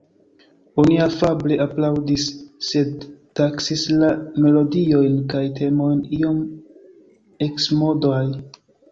Oni afable aplaŭdis, sed taksis la melodiojn kaj temojn iom eksmodaj.